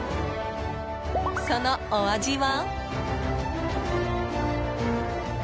そのお味は？